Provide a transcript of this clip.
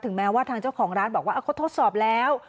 แม้ว่าทางเจ้าของร้านบอกว่าเขาทดสอบแล้ว